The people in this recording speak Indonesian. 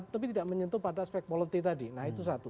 tapi tidak menyentuh pada aspek politi tadi nah itu satu